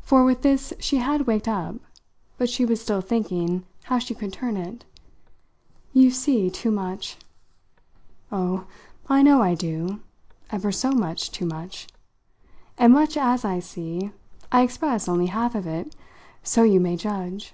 for with this she had waked up. But she was still thinking how she could turn it. "You see too much." "Oh, I know I do ever so much too much. And much as I see, I express only half of it so you may judge!"